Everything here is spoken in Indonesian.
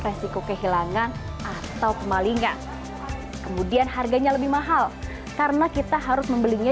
resiko kehilangan atau kemalingan kemudian harganya lebih mahal karena kita harus membelinya